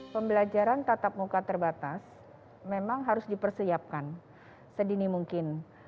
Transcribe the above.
pembelajaran tatap muka terbatas memang harus dipersiapkan sedini mungkin